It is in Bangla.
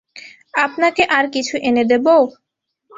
আপনাকে আর কিছু এনে দেবো?